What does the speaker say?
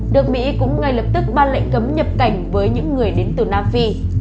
nước mỹ cũng ngay lập tức ban lệnh cấm nhập cảnh với những người đến từ nam phi